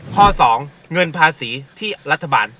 ข้อ๒เงินภาษีที่รัฐบาล